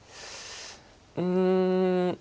うん。